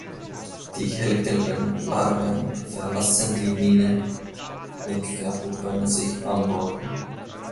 Die hellgelben Larven verlassen die Mine und verpuppen sich am Boden.